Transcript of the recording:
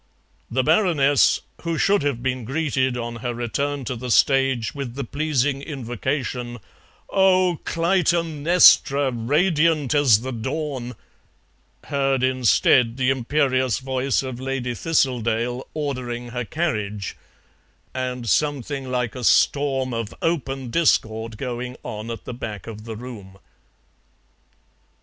The Baroness, who should have been greeted on her return to the stage with the pleasing invocation, "Oh, Clytemnestra, radiant as the dawn," heard instead the imperious voice of Lady Thistledale ordering her carriage, and something like a storm of open discord going on at the back of the room.